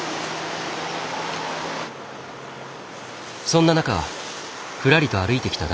そんな中ふらりと歩いてきた男性がいた。